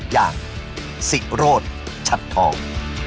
อย่างสิโรธชัดทอง